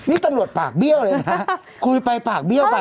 นี่ตำรวจปากเบี้ยวเลยนะคุยไปปากเบี้ยวไป